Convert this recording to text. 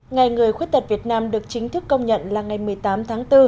ngày người khuyết tật việt nam được chính thức công nhận là ngày một mươi tám tháng bốn